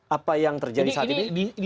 apa yang terjadi saat ini